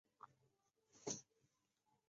人们还把注音符号运用到汉语以外。